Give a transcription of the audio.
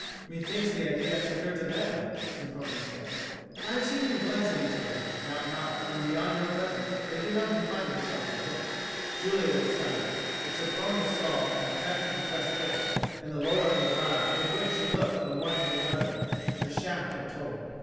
"Methinks the idea has occurred to them," Sempronius said. "I have seen them glance at each other, and doubt not that when beyond your presence they do not confine themselves to looks." Julia was silent, but Sempronius saw, in the tightly compressed lips and the lowering brow with which she looked from one to the other, that the shaft had told.